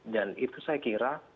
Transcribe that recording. dan itu saya kira